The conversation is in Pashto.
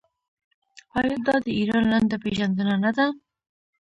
آیا دا د ایران لنډه پیژندنه نه ده؟